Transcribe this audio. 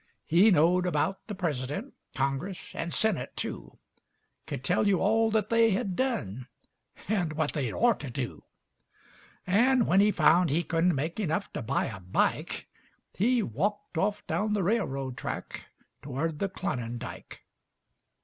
He know'd about the president, Congress and senate, too; Could tell you all that they hed done And what they'd ort to do. And when he found he couldn't make Enuff to buy a bike, He walked off down the railroad track Toward the Klonindike.